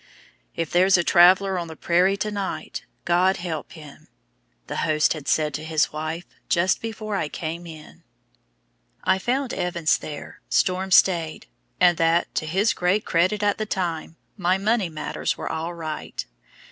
"If there's a traveler on the prairie to night, God help him!" the host had said to his wife just before I came in. I found Evans there, storm stayed, and that to his great credit at the time my money matters were all right.